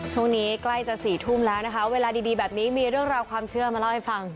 ช่วงนี้ใกล้จะ๔ทุ่มแล้วนะคะเวลาดีแบบนี้มีเรื่องราวความเชื่อมาเล่าให้ฟัง